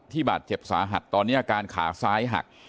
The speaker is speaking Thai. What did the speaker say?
บาดเจ็บสาหัสตอนนี้อาการขาซ้ายหัก